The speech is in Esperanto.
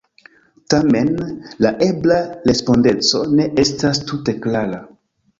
Tamen, la ebla respondeco ne estas tute klara.